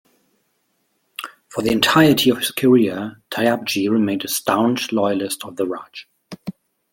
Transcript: For the entirety of his career, Tyabji remained a staunch loyalist of the Raj.